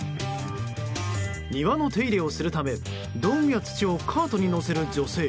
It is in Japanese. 庭の手入れをするため道具や土をカートに載せる女性。